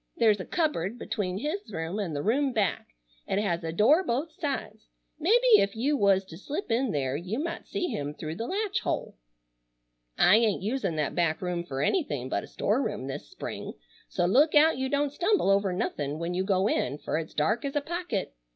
There's a cupboard between his room an' the room back. It has a door both sides. Mebbe ef you was to slip in there you might see him through the latch hole. I ain't usin' that back room fer anythin' but a store room this spring, so look out you don't stumble over nothin' when you go in fer it's dark as a pocket.